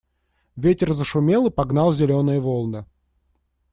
Ветер зашумел и погнал зеленые волны.